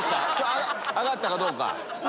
上がったかどうか。